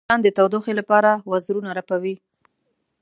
چرګان د تودوخې لپاره وزرونه رپوي.